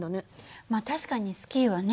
まあ確かにスキーはね